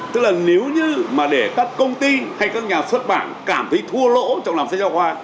tức là nếu như mà để các công ty hay các nhà xuất bản cảm thấy thua lỗ trong làm sách giáo khoa